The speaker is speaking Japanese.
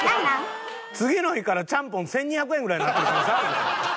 次の日からちゃんぽん１２００円ぐらいになってる可能性あるよ。